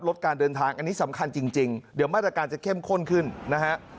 ลดการเดินทางอันนี้สำคัญจริงเดี๋ยวมาตรการจะเข้มข้นขึ้นนะฮะ